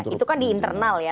itu kan di internal ya